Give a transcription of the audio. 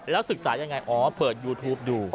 ศึกษายังไงอ๋อเปิดยูทูปดู